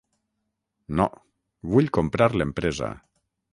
No, vull comprar l'empresa.